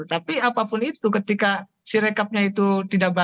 tapi apapun itu ketika sirekapnya itu tidak balik